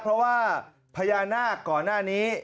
เพราะว่าพญานาคก่อนหน้านี้